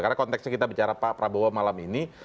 karena konteksnya kita bicara pak prabowo malam ini